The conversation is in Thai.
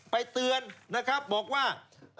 เตือนนะครับบอกว่า